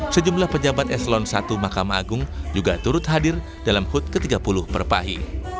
sejumlah pejabat eselon i mahkamah agung juga turut hadir dalam hut ke tiga puluh perpahi